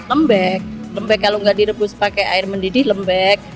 lembek lembek kalau nggak direbus pakai air mendidih lembek